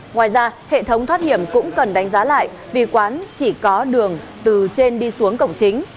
ngoài ra hệ thống thoát hiểm cũng cần đánh giá lại vì quán chỉ có đường từ trên đi xuống cổng chính